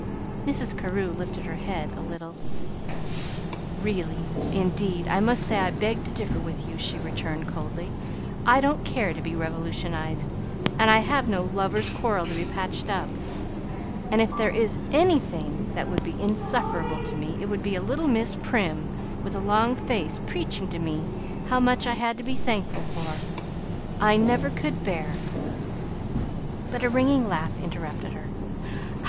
Mrs. Carew lifted her chin a little. "Really, indeed, I must say I beg to differ with you," she returned coldly. "I don't care to be 'revolutionized,' and I have no lovers' quarrel to be patched up; and if there is ANYTHING that would be insufferable to me, it would be a little Miss Prim with a long face preaching to me how much I had to be thankful for. I never could bear " But a ringing laugh interrupted her.